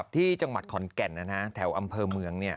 ที่จังหวัดขอนแก่นแถวอำเภอเมือง